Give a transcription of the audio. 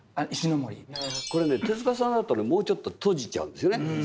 これね手さんだともうちょっと閉じちゃうんですよね。